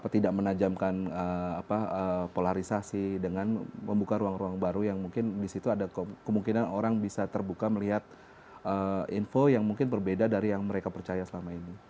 tidak menajamkan polarisasi dengan membuka ruang ruang baru yang mungkin disitu ada kemungkinan orang bisa terbuka melihat info yang mungkin berbeda dari yang mereka percaya selama ini